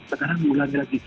sekarang diulangi lagi